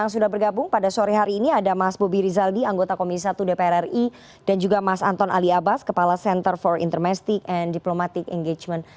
sudah bergabung pada sore hari ini ada mas bobi rizaldi anggota komisi satu dpr ri dan juga mas anton ali abbas kepala center for intermestic and diplomatic engagement